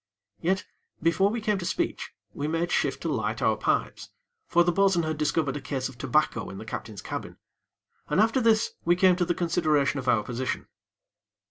Yet, before we came to speech, we made shift to light our pipes; for the bo'sun had discovered a case of tobacco in the captain's cabin, and after this we came to the consideration of our position.